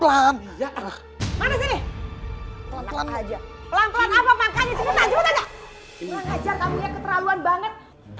pelan pelan aja kamu ya keterlaluan banget